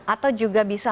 atau juga bisa